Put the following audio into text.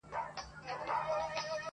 کار چي د شپې کيږي هغه په لمرخاته ،نه کيږي.